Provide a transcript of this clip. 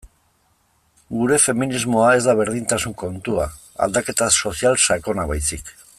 Gure feminismoa ez da berdintasun kontua, aldaketa sozial sakona baizik.